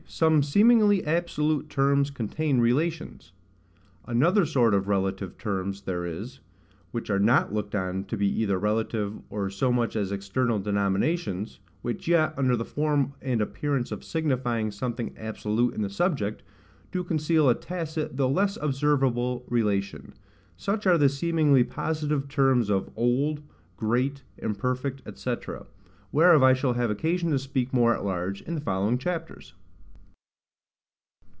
Some seemingly absolute Terms contain Relations. Another sort of relative terms there is, which are not looked on to be either relative, or so much as external denominations: which yet, under the form and appearance of signifying something absolute in the subject, do conceal a tacit, though less observable, relation. Such are the seemingly positive terms of OLD, GREAT, IMPERFECT, &c., whereof I shall have occasion to speak more at large in the following chapters.